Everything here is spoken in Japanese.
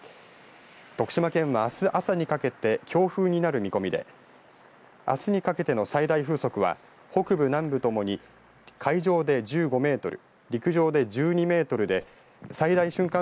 徳島県は、あす朝にかけて強風になる見込みであすにかけての最大風速は北部、南部ともに海上で１５メートル陸上で１２メートルで最大瞬間